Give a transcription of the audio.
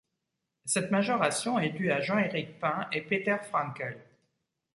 Cette majoration est due à Jean-Éric Pin et Peter Frankl.